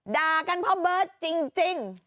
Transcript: ด่ากันเพราะเบิร์ตจริง